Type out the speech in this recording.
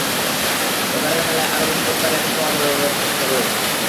এবারের মেলায় আরও বেশি রপ্তানি আদেশ পাওয়া যাবে বলে প্রত্যাশা করেন তিনি।